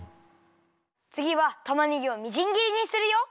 つぎはたまねぎをみじんぎりにするよ。